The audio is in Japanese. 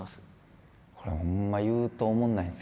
これほんま言うとおもんないんですけど。